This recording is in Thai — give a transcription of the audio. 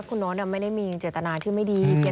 คุณโน๊ตไม่ได้มีเจตนาที่ไม่ดี